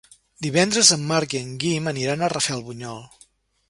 Divendres en Marc i en Guim aniran a Rafelbunyol.